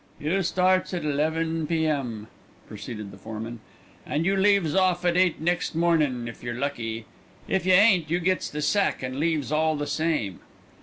"You starts at eleven p.m.," proceeded the foreman, "and you leaves off at eight next mornin' if you're lucky. If y'ain't you gets the sack, and leaves all the same."